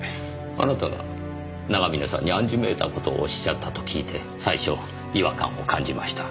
あなたが長峰さんに暗示めいた事をおっしゃったと聞いて最初違和感を感じました。